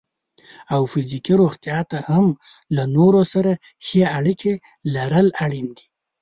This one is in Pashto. او فزیکي روغتیا ته هم له نورو سره ښې اړیکې لرل اړینې دي.